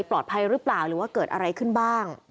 ปลอดภัยหรือเปล่าหรือว่าเกิดอะไรขึ้นบ้าง